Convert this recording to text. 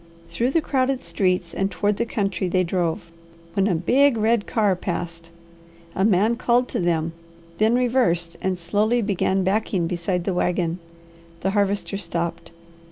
Through the crowded streets and toward the country they drove, when a big red car passed, a man called to them, then reversed and slowly began backing beside the wagon. The Harvester stopped.